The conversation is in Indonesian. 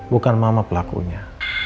bukan mama pelakunya